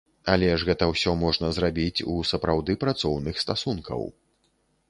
Але ж гэта ўсё можна зрабіць у сапраўды працоўных стасункаў.